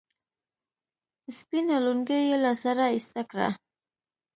سپينه لونگۍ يې له سره ايسته کړه.